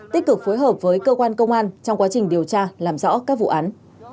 tích cực phối hợp với cơ quan công an trong quá trình điều tra làm rõ các vụ án